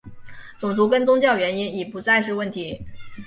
种族跟宗教原因已不再是问题。